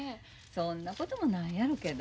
そんなこともないやろけど。